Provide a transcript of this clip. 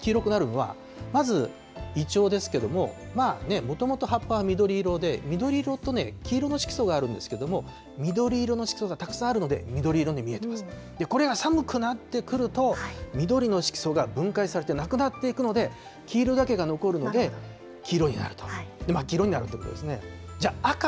まず黄色い葉っぱ、黄色くなるのはまず、いちょうですけれども、まあね、もともと葉っぱは緑色で、緑色と黄色の色素があるんですけれども、緑色の色素がたくさんあるので、緑色に見える、これが寒くなってくると、緑の色素が分解されてなくなっていくので、黄色だけが残るので、黄色になると、真っ黄色になるということですね。